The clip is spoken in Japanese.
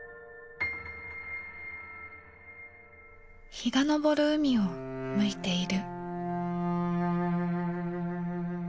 日が昇る海を向いている。